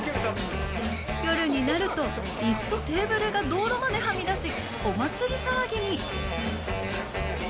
夜になると、椅子とテーブルが道路まではみ出し、お祭り騒ぎに。